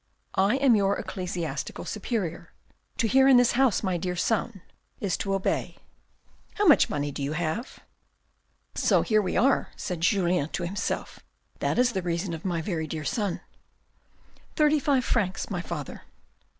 I am your ecclesiastical superior. To hear in this house, my dear son, is to obey. How much money, have you ?" ("So here we are," said Julien to himself, "that was the reason of the ' my very dear son ')."" Thirty five francs, my father."